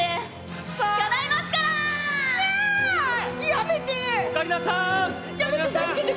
やめて！